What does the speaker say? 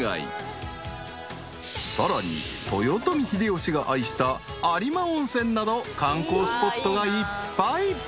［さらに豊臣秀吉が愛した有馬温泉など観光スポットがいっぱい］